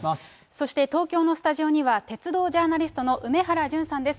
そして東京のスタジオには鉄道ジャーナリストの梅原淳さんです。